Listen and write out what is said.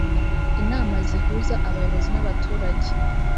inama zihuza abayobozi n’abaturage